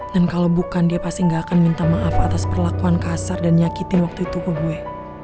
dan kalau bukan dia pasti gak akan minta maaf atas perlakuan kasar dan nyakitin waktu itu ke gue